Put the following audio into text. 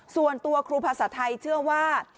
ส่วนตัวครูภาษาไทยเชื่อว่า